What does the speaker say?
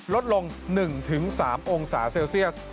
ลดลง๑๓องศาเซลเซียส